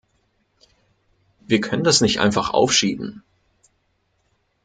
Wir können das nicht einfach aufschieben.